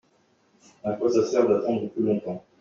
À quoi ça sert d’attendre plus longtemps ?